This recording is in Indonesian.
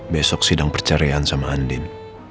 besok sidang perceraian sama andin